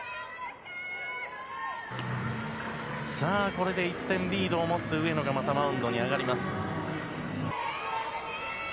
さあ、これで１点リードを持って、上野がまたマウンドに上がります。